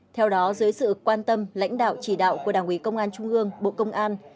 theo đó dưới sự quan tâm lãnh đạo chỉ đạo của đảng ủy công an trung ương bộ công an